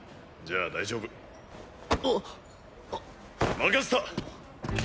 任せた。